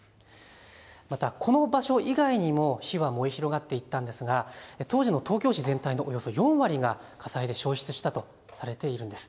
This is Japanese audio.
また、この場所以外にも火は燃え広がっていったんですが当時の東京市全体のおよそ４割が火災で焼失したとされているんです。